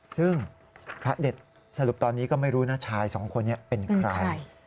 ซึ่งพระเด็ดสรุปตอนนี้ก็ไม่รู้นะชายสองคนนี้เป็นใคร